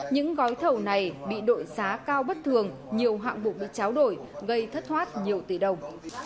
những gói thầu này bị đội giá cao bất thường nhiều hạng mục bị cháo đổi gây thất thoát nhiều tỷ đồng